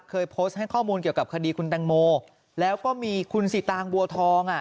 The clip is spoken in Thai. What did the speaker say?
เคยโพสต์ให้ข้อมูลเกี่ยวกับคดีคุณตังโมแล้วก็มีคุณสิตางบัวทองอ่ะ